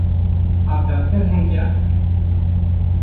आप डॉक्टर हैं क्या?